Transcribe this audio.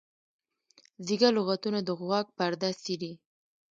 زیږه لغتونه د غوږ پرده څیري.